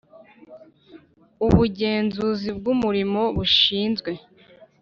Ubugenzuzi bw umurimo bushinzwe